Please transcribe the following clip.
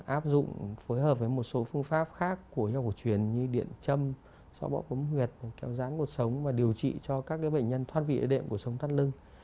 áp dụng phối hợp với một số phương pháp khác của y học của truyền như điện châm sọ bọc bấm huyệt kéo rán cuộc sống và điều trị cho các cái bệnh nhân thoát vị ế đệm của sống thắt lưng